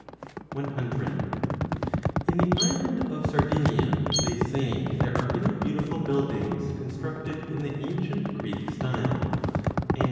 5O In the island of Sardinia they say there are many beautiful buildings constructed in the ancient Greek style, and.